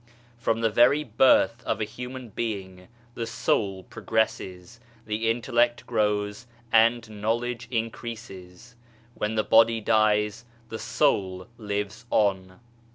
From the very birth of a human being the soul progresses, the intellect grows and knowledge increases. When the body dies the Soul lives on.